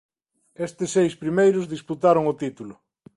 Estes seis primeiros disputaron o título.